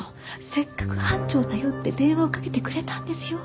せっかく班長を頼って電話をかけてくれたんですよ。